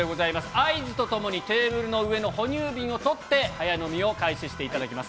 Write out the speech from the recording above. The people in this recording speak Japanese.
合図とともにテーブルの上の哺乳瓶を取って、早飲みを開始していただきます。